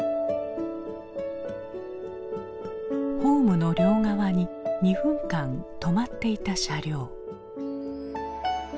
ホームの両側に２分間止まっていた車両。